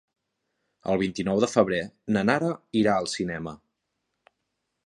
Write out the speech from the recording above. El vint-i-nou de febrer na Nara irà al cinema.